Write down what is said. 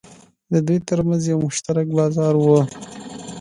د دوی ترمنځ یو مشترک بازار و.